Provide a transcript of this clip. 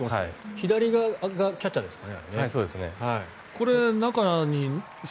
左側がキャッチャーですかね。